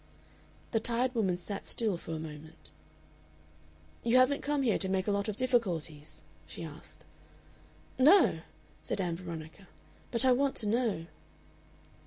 The tired woman sat still for a moment. "You haven't come here to make a lot of difficulties?" she asked. "No," said Ann Veronica, "but I want to know."